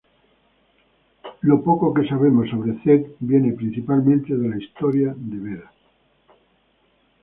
Lo poco que sabemos sobre Cedd viene principalmente de la "Historia "de Beda.